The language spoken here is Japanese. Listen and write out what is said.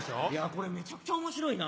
これめちゃくちゃ面白いな。